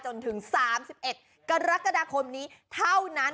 จนถึง๓๑กรกฎาคมนี้เท่านั้น